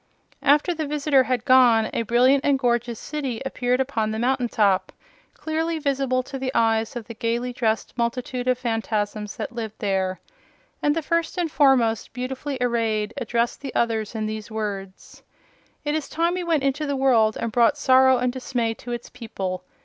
After the visitor had gone a brilliant and gorgeous city appeared upon the mountain top, clearly visible to the eyes of the gaily dressed multitude of Phanfasms that lived there. And the First and Foremost, beautifully arrayed, addressed the others in these words: "It is time we went into the world and brought sorrow and dismay to its people.